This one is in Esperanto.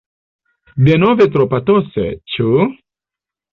Denove tro patose, ĉu?